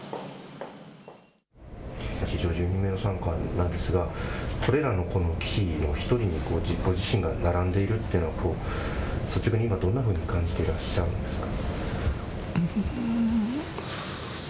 史上１２人目の三冠なんですが、これらの棋士の一人にご自分が並んでいるっていうのを率直に今、どんなふうに感じていらっしゃるんですか。